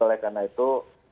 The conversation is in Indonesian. oleh karena itu